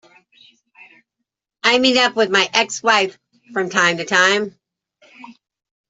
I meet up with my ex-wife from time to time.